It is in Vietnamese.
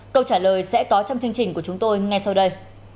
câu trả lời sẽ có trong chương trình của chúng tôi ngay sau đây